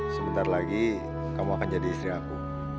sebentar lagi kamu akan jadi istri aku